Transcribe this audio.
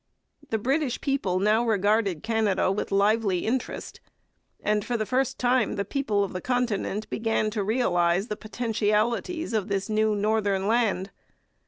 The British people now regarded Canada with lively interest, and for the first time the people of the Continent began to realize the potentialities of this new northern land.